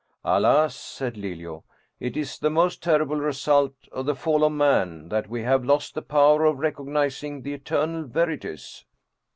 " Alas," said Lelio, " it is the most terrible result of the fall of man, that we have lost the power of recognizing the eternal verities."